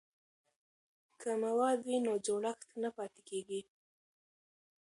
که مواد وي نو جوړښت نه پاتیږي.